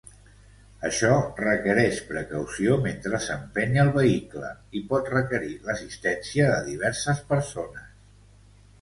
Això requereix precaució mentre s'empeny el vehicle i pot requerir l'assistència de diverses persones.